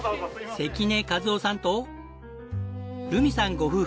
関根一雄さんと留美さんご夫婦です。